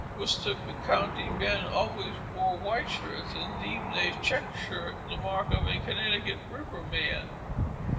Worcester County men always wore white shirts, and deemed a checked shirt the mark of a Connecticut River man.